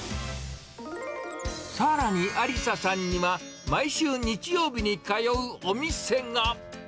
さらに、ありささんには、毎週日曜日に通うお店が。